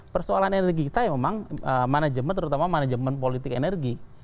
persoalan energi kita memang manajemen terutama manajemen politik energi